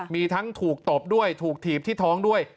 มีทั้งถูกตบด้วยถูกถีบที่ท้องด้วย